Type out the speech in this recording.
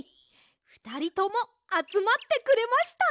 ふたりともあつまってくれました。